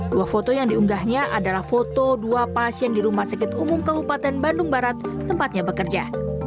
dua foto yang diunggahnya adalah foto dua pasien di rumah sakit umum kabupaten bandung barat tempatnya bekerja